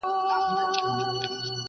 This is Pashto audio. چي وطن یې کړ خالي له غلیمانو!